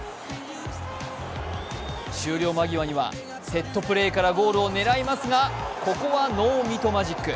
終了間際にはセットプレーからゴールを狙いますがここはノーミトマジック。